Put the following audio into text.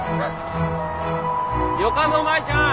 よかぞ舞ちゃん。